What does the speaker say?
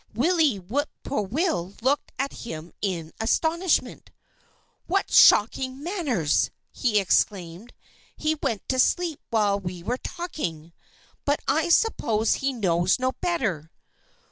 Willie Whip poor will looked at him in astonishment. "What shocking manners!" he exclaimed. "He went to sleep while we were talking. But I suppose he knows no better."